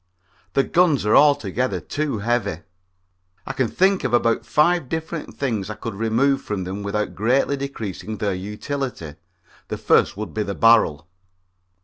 The guns are altogether too heavy. I can think of about five different things I could remove from them without greatly decreasing their utility. The first would be the barrel.